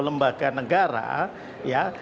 lembaga negara ya